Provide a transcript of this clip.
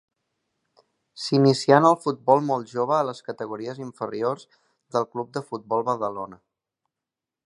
S'inicià en el futbol molt jove a les categories inferiors del Club de Futbol Badalona.